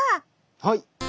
はい。